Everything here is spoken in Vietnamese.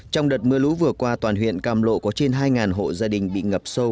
trong đợt mưa lũ vừa qua toàn huyện càm lộ có trên hai hộ gia đình bị ngập sâu